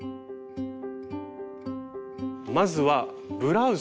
まずはブラウス。